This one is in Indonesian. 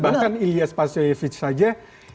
bahkan ilyas pascoevic saja